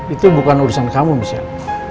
itu bukan urusan kamu misalnya